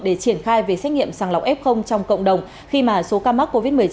để triển khai về xét nghiệm sàng lọc f trong cộng đồng khi mà số ca mắc covid một mươi chín